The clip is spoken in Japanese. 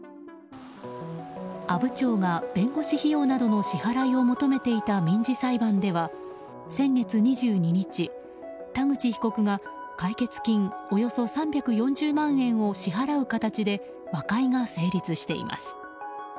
阿武町が弁護士費用などの支払いを求めていた民事裁判では先月２２日、田口被告が解決金およそ３４０万円を支払う形で和解が成立しています。